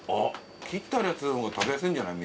切ってあるやつの方が食べやすいんじゃない？